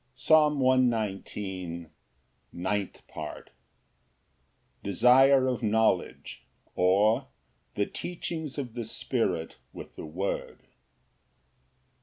Psalm 119:09. Ninth Part. Desire of knowledge; or, The teachings of the Spirit with the word.